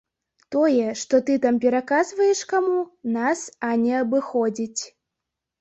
Тое, што ты там пераказваеш каму, нас ані не абыходзіць.